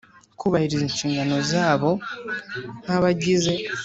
kubahiriza inshingano zabo nk abagize